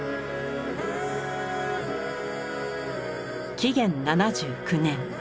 紀元７９年。